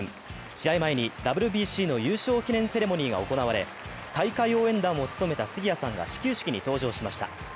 試合前にＷＢＣの優勝記念セレモニーが行われ、大会応援団を務めた杉谷さんが始球式に登場しました。